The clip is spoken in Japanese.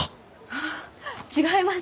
あっ違います！